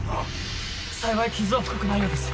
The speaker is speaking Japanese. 幸い傷は深くないようです。